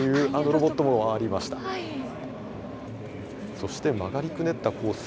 そして曲がりくねったコース